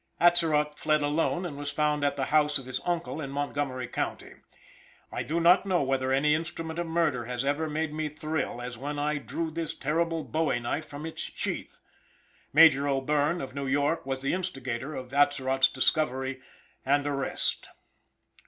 Atzerott fled alone, and was found at the house of his uncle in Montgomery county. I do not know that any instrument of murder has ever made me thrill as when I drew this terrible bowie knife from its sheath. Major O'Bierne, of New York, was the instigator of Atzerott's discovery and arrest.